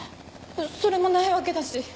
それもないわけだし。